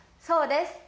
そうです。